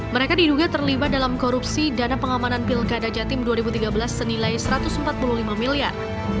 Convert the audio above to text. mereka diduga terlibat dalam korupsi dana pengamanan pilkada jatim dua ribu tiga belas senilai satu ratus empat puluh lima miliar